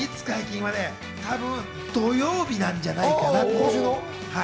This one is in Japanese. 多分、土曜日なんじゃないかなと。